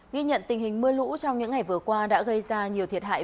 ghi nhận tình hình mưa lũ trong những ngày vừa qua đã gây ra nhiều thiệt hại